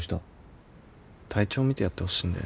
体調見てやってほしいんだよね。